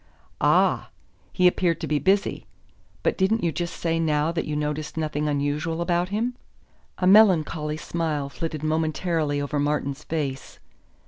"Ah! He appeared to be busy. But didn't you say just now that you noticed nothing unusual about him?" A melancholy smile flitted momentarily over Martin's face.